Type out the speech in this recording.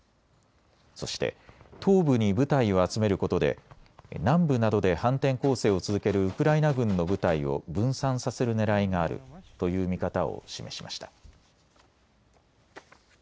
そして東部に部隊を集めることで南部などで反転攻勢を続けるウクライナ軍の部隊を分散させるねらいがあるという見方を示しました。